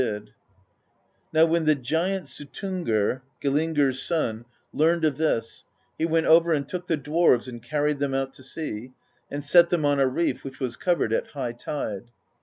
94 PROSE EDDA " Now when the giant Suttungr, GiUingr's son, learned of this, he went over and took the dwarves and carried them out to sea, and set them on a reef which was covered at high tide.